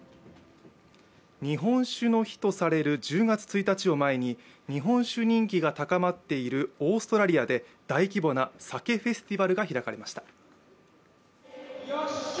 日本酒の日とされる１０月１日を前に日本酒人気が高まっているオーストラリアで大規模なＳＡＫＥフェスティバルが開かれました。